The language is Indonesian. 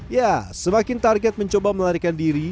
ya semakin target mencoba melarikan diri